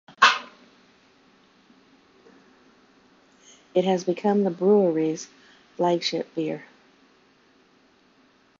It has become the brewery's flagship beer.